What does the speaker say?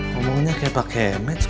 ngomongnya kayak pake match gak